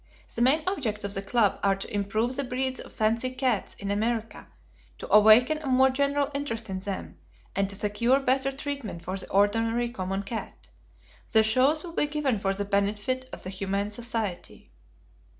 The main objects of the club are to improve the breeds of fancy cats in America, to awaken a more general interest in them, and to secure better treatment for the ordinary common cat. The shows will be given for the benefit of the Humane Society.